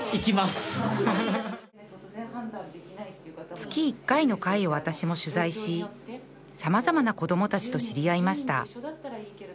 月１回の会を私も取材しさまざまな子どもたちと知り合いました